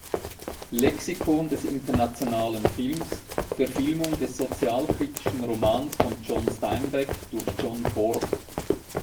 Lexikon des internationalen Films: „Verfilmung des sozialkritischen Romans von John Steinbeck durch John Ford.